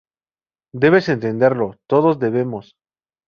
Debes detenerlo... todos debemos.